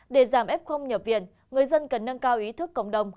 để giảm f nhập viện người dân cần nâng cao ý thức cộng đồng